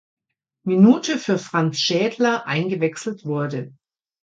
Minute für Franz Schädler eingewechselt wurde.